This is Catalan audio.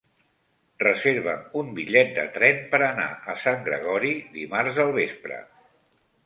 Reserva'm un bitllet de tren per anar a Sant Gregori dimarts al vespre.